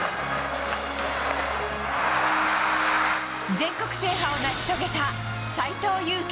全国制覇を成し遂げた斎藤佑樹。